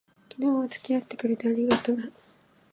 昨日は付き合ってくれて、ありがとな。